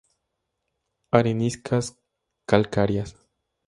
Areniscas calcáreas.